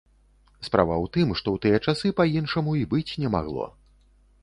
Справа ў тым, што ў тыя часы па-іншаму і быць не магло.